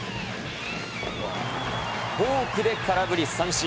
フォークで空振り三振。